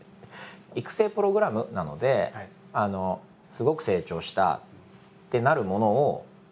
育成プログラムなのですごく成長したってなるものを作りたいし。